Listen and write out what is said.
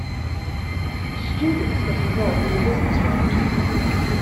Students get involved in the business world.